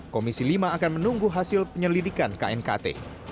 komisi lima akan menunggu hasil penyelidikan knkt